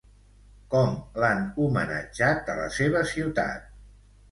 Com l'han homenatjat a la seva ciutat?